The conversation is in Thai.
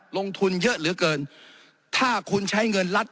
ลงทุนเยอะเหลือเกินถ้าคุณใช้เงินรัฐ